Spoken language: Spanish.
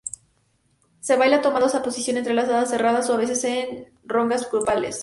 Se baila tomados en posición enlazada cerrada y a veces en rondas grupales.